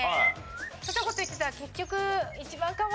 そんな事を言ってたら結局。